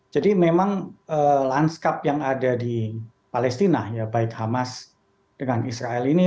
jadi memang lanskap yang ada di palestina baik hamas dengan israel ini